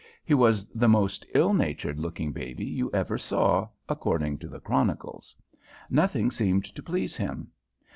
He was the most ill natured looking baby you ever saw, according to the chronicles. Nothing seemed to please him.